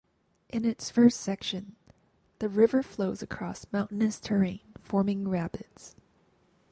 In its first section the river flows across mountainous terrain forming rapids.